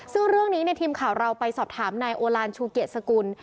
ซึ่งเรื่องนี้ทีมข่าวเราไปสอบถามนายโอลานชูเกียจสกุล